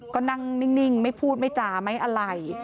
ก็นั่งนิ่งไม่พูดไม่จาไม่อะไร